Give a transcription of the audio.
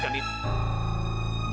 bukan rattana yang melaporkan saya